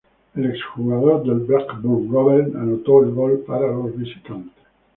El ex-jugador del Blackburn Rovers, anotó el gol para los visitantes.